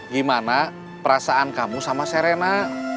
gimana perasaan kamu sama serena